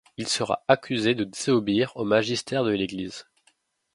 Il sera accusé de désobéir au Magistère de l'Église.